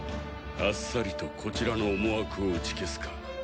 あっさりとこちらの思惑を打ち消すか。